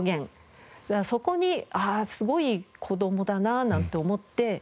そこにすごい子供だななんて思って。